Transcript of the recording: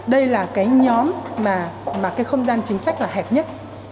đây là cái nhóm mà cái không gian chính sách là hẹp nhất